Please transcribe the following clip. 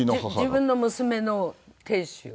自分の娘の亭主を。